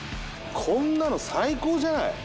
こんなの最高じゃない。